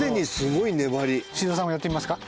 宍戸さんもやってみますか？